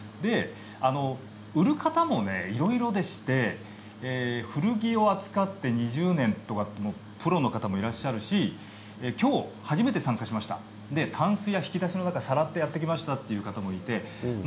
売る方もいろいろでして古着を扱って２０年とかプロの方もいらっしゃいますし今日、初めて参加しましたたんすや引き出しの中をさらってやって来ましたという方もいらっしゃいました。